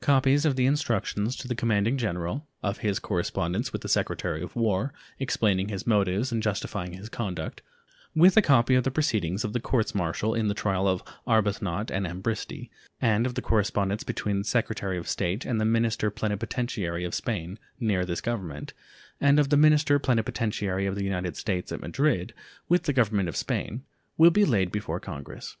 Copies of the instructions to the commanding general, of his correspondence with the Secretary of War, explaining his motives and justifying his conduct, with a copy of the proceedings of the courts martial in the trial of Arbuthnot and Ambristie, and of the correspondence between the Secretary of State and the minister plenipotentiary of Spain near this Government, and of the minister plenipotentiary of the United States at Madrid with the Government of Spain, will be laid before Congress.